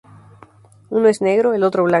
Uno es negro, el otro blanco.